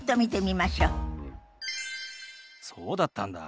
そうだったんだ。